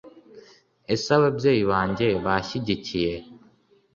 ese ababyeyi banjye bashyigikiye